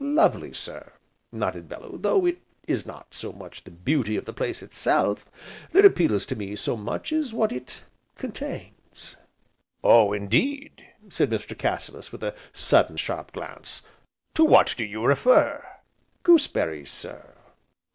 "Lovely, sir!" nodded Bellew, "though it is not so much the beauty of the place itself, that appeals to me so much as what it contains." "Oh, indeed!" said Mr. Cassilis, with a sudden, sharp glance, "to what do you refer?" "Goose berries, sir!"